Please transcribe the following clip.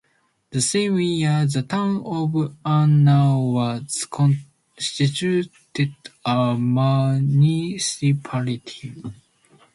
The same year the town of Unnao was constituted a Municipality.